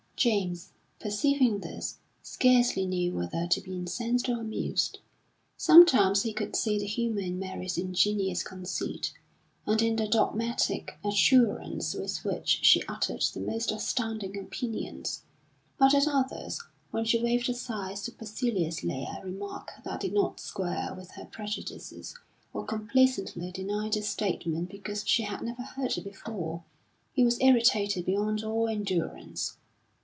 James, perceiving this, scarcely knew whether to be incensed or amused. Sometimes he could see the humour in Mary's ingenuous conceit, and in the dogmatic assurance with which she uttered the most astounding opinions; but at others, when she waved aside superciliously a remark that did not square with her prejudices, or complacently denied a statement because she had never heard it before, he was irritated beyond all endurance.